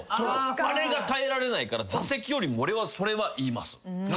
あれが耐えられないから座席よりも俺はそれは言います。